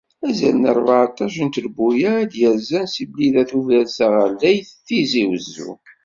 Azal n rbeεṭac n trebuyyaɛ i d-yerzan seg Blida, Tubiret, Taɣerdayt, Tizi Uzzu.